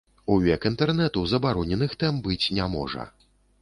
У век інтэрнэту забароненых тэм быць не можа.